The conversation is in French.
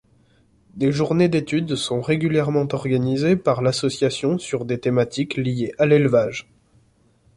Des journées d'étude sont régulièrement organisées par l'association sur des thématiques liées à l'élevage.